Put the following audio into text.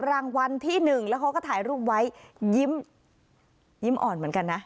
รางวัลที่หนึ่งแล้วเขาก็ถ่ายรูปไว้ยิ้มยิ้มอ่อนเหมือนกันนะ